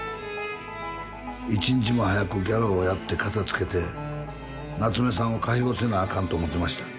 一日も早くギャロをやって片付けて夏目さんを解放せなアカンと思うてました。